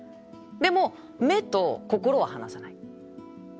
でも目と心は離さない。